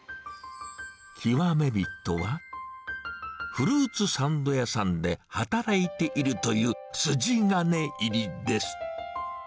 極め人は、フルーツサンド屋さんで働いているという、筋金入りです。